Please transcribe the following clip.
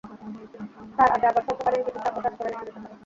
তার আগে আবার স্বল্পকালীন কিছু শাকও চাষ করে নেওয়া যেতে পারে।